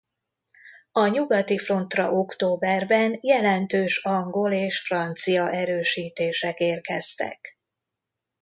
A nyugati frontra októberben jelentős angol és francia erősítések érkeztek.